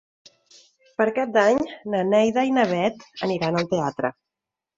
Per Cap d'Any na Neida i na Bet aniran al teatre.